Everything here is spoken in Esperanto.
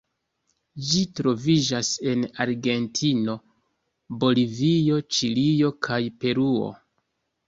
Ĝi troviĝas en Argentino, Bolivio, Ĉilio, kaj Peruo.